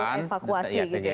ada evakuasi gitu ya